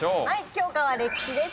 教科は歴史です。